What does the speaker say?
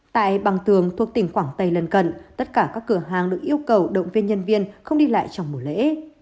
tại bằng tường thuộc tỉnh quảng tây lần cận tất cả các cửa hàng được yêu cầu động viên nhân viên không đi lại trong mùa lễ